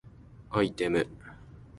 アイテム